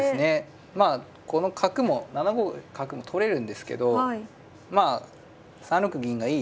まあこの角も７五角も取れるんですけどまあ３六銀がいい位置なんで。